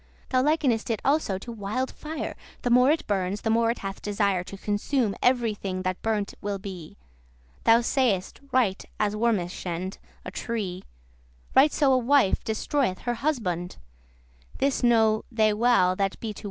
Thou likenest it also to wild fire; The more it burns, the more it hath desire To consume every thing that burnt will be. Thou sayest, right as wormes shend* a tree, *destroy Right so a wife destroyeth her husbond; This know they well that be to wives bond."